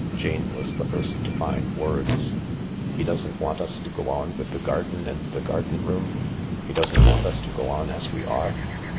Jane was the first to find words. " He doesn't want us to go on with the garden and the garden room ? He doesn't want us to go on as we are